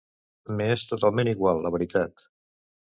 M'és totalment igual, la veritat.